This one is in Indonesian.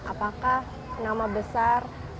apakah nama besar